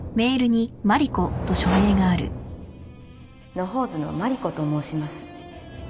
野放図のマリコと申します